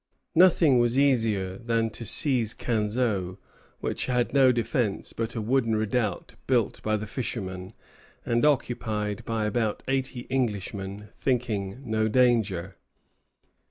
Nothing was easier than to seize Canseau, which had no defence but a wooden redoubt built by the fishermen, and occupied by about eighty Englishmen thinking no danger.